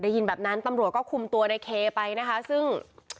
ได้ยินแบบนั้นตำรวจก็คุมตัวในเคไปนะคะซึ่ง